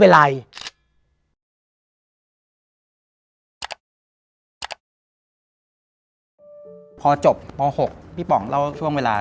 เพราะไม่ว่าใช่